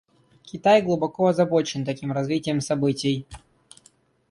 Китай глубоко озабочен таким развитием событий.